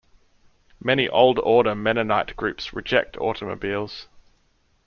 Many Old Order Mennonite groups reject automobiles.